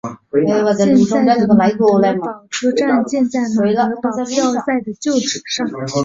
现在的马德堡车站建在马德堡要塞的旧址上。